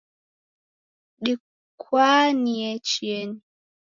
Dikwanie chienyi